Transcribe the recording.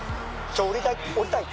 降りたい降りたい！